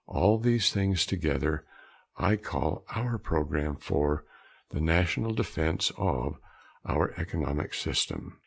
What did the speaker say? All these things together I call our program for the national defense of our economic system.